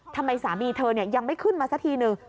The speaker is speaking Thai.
ทำไมสามีเธอยังไม่ขึ้นมาสักทีหนึ่ง